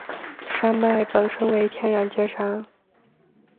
山脉本身为天然界山。